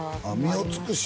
「みをつくし」